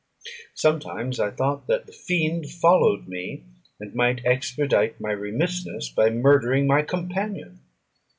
Sometimes I thought that the fiend followed me, and might expedite my remissness by murdering my companion.